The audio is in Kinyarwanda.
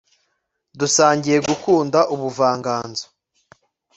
dusangiye gukunda ubuvanganzo